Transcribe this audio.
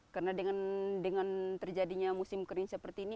karena dengan terjadinya musim kering seperti ini